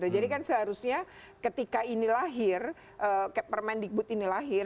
jadi kan seharusnya ketika ini lahir permendikbud ini lahir